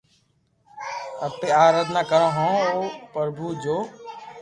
اپي آ اردنا ڪرو ھون او پرڀو جو